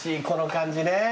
この感じね。